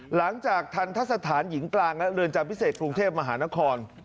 หลังจากทันทะสถานหญิงกลางและเรือนจำพิเศษกรุงเทพมหานคร